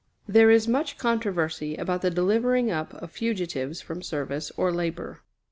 There is much controversy about the delivering up of fugitives from service or labor.